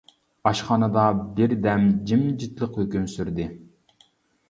ئىشخانىدا بىر دەم جىمجىتلىق ھۆكۈم سۈردى.